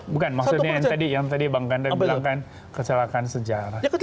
bukan maksudnya yang tadi bang kanda bilang kan kecelakaan sejarah